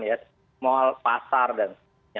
ya mal pasar dan sebagainya